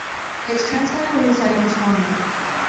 Its transmitter was at a site near Swan Lake.